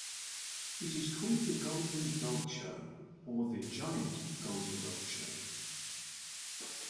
It is called The Golden Dog Show or The Giant Golden Dog Show.